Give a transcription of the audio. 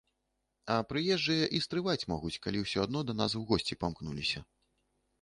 А прыезджыя і стрываць могуць, калі ўсё адно да нас у госці памкнуліся.